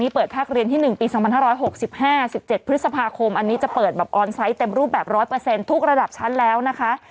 พฤษภาคมอันนี้จะเปิดแบบออนไซต์เต็มรูปแบบร้อยเปอร์เซ็นต์ทุกระดับชั้นแล้วนะคะ